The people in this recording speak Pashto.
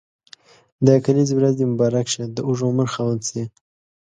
د کلیزي ورځ دي مبارک شه د اوږد عمر خاوند سي.